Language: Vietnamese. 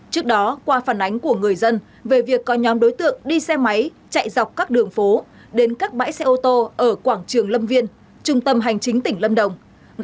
trước đó qua phản ánh của người dân về việc có nhóm đối tượng đi xe máy chạy dọc các đường phố đến các bãi xe ô tô ở quảng trường lâm viên trung tâm hành chính tỉnh lâm đồng